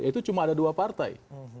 itu cuma ada dua partai